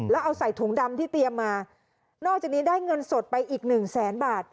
แล้วเอาใส่ถุงดำที่เตรียมมานอกจากนี้ได้เงินสดไปอีกหนึ่งแสนบาท